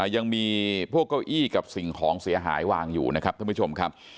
ยังมีพวกเก้าอี้กับสิ่งของเสียหายวางอยู่นะครับท่านผู้ชมครับ